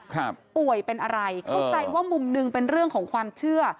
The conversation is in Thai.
ป่วยเป็นอะไรเข้าใจว่ามุมหนึ่งเป็นเรื่องของความเชื่อ